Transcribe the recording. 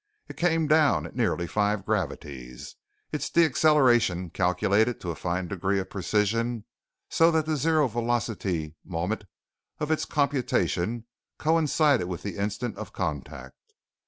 It came down at nearly five gravities, its deceleration calculated to a fine degree of precision so that the zero velocity moment of its computation coincided with the instant of contact.